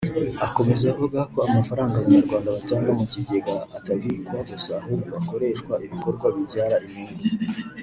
Akomeza avuga ko amafaranga abanyarwanda batanga mu Kigega atabikwa gusa ahubwo akoreshwa ibikorwa bibyara inyungu